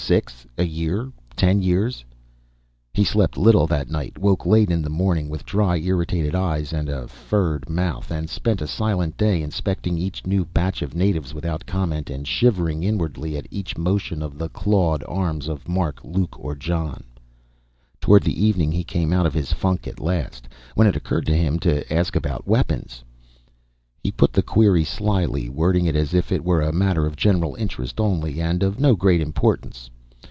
Six? A year, ten years? He slept little that night, woke late in the morning with dry, irritated eyes and a furred mouth, and spent a silent day, inspecting each new batch of natives without comment, and shivering inwardly at each motion of the clawed arms of Mark, Luke or John. Toward evening he came out of his funk at last, when it occurred to him to ask about weapons. He put the query slyly, wording it as if it were a matter of general interest only, and of no great importance.